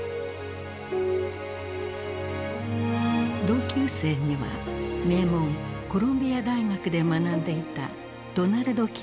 同級生には名門コロンビア大学で学んでいたドナルド・キーンもいた。